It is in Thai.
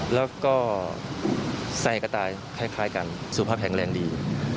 แล้วก็ใส่กระต่ายคล้ายกันสุขภาพแข็งแรงดี